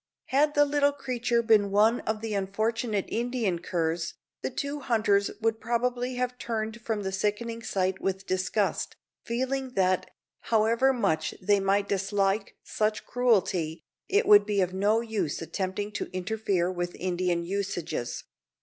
Had the little creature been one of the unfortunate Indian curs, the two hunters would probably have turned from the sickening sight with disgust, feeling that, however much they might dislike such cruelty, it would be of no use attempting to interfere with Indian usages.